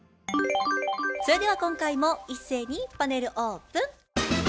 それでは今回も一斉にパネルオープン。